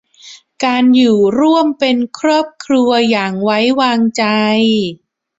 การอยู่ร่วมเป็นครอบครัวอย่างไว้วางใจ